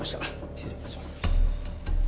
失礼いたします。